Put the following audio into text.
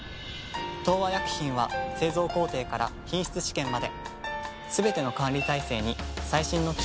東和薬品は製造工程から品質試験まですべての管理体制に最新の機器や技術を導入。